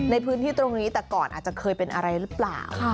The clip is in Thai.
ในพื้นที่ตรงนี้แต่ก่อนอาจจะเคยเป็นอะไรหรือเปล่า